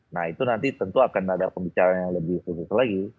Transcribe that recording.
nah itu nanti tentu akan ada pembicaraan yang lebih khusus lagi